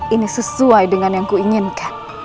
ini sesuai dengan yang kuinginkan